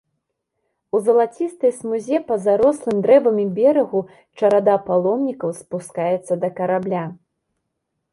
У залацістай смузе па зарослым дрэвамі берагу чарада паломнікаў спускаецца да карабля.